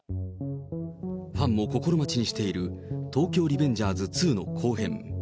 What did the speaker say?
ファンも心待ちにしている東京リベンジャーズ２の後編。